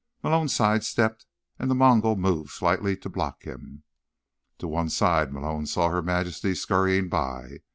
Malone sidestepped, and the Mongol moved slightly to block him. To one side, Malone saw Her Majesty scurrying by.